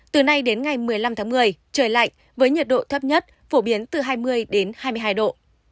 từ nay đến ngày một mươi năm tháng một mươi trời lạnh với nhiệt độ thấp nhất phổ biến từ hai mươi hai mươi hai độ